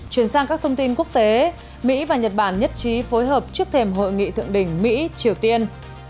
chuyển sang các thông tin quốc tế mỹ và nhật bản nhất trí phối hợp trước thềm hội nghị thượng đỉnh mỹ triều tiên